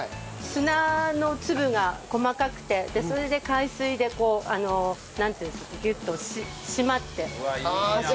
砂の粒が細かくてそれで海水でこうなんていうんですかギュッと締まって走れる。